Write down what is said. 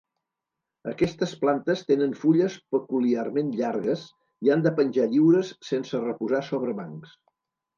Aquestes plantes tenen fulles peculiarment llargues i han de penjar lliures sense reposar sobre bancs.